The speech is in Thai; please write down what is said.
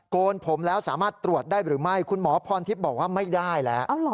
โกนผมแล้วสามารถตรวจได้หรือไม่คุณหมอพรทิพย์บอกว่าไม่ได้แล้ว